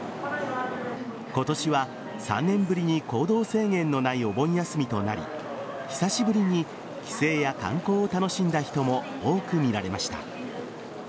今年は３年ぶりに行動制限のないお盆休みとなり久しぶりに帰省や観光を楽しんだ人も多く見られました。